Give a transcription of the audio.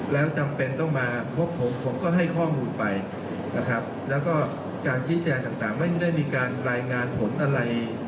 แล้วจำเป็นต้องมาพบผมผมก็ให้ข้อมูลไปนะครับแล้วก็การชี้แจงต่างไม่ได้มีการรายงานผลอะไร